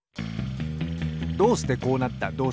どうしてこうなった？